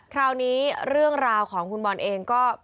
คราวนี้เรื่องราวของคุณบอลเองก็